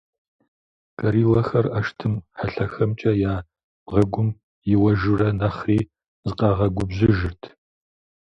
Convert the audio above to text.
Гориллэхэр ӏэштӏым хьэлъэхэмкӏэ я бгъэгум иуэжурэ, нэхъри зыкъагъэгубжьыжырт.